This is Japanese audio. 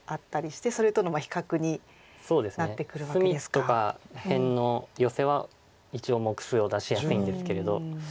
隅とか辺のヨセは一応目数を出しやすいんですけれど。